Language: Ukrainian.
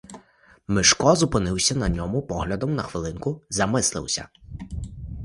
Мишко зупинився на ньому поглядом, на хвилинку замислився.